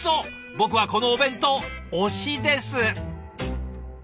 僕はこのお弁当推しです。